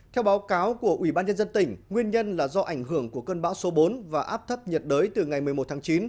theo báo cáo của ủy ban nhân dân tỉnh nguyên nhân là do ảnh hưởng của cơn bão số bốn và áp thấp nhiệt đới từ ngày một mươi một tháng chín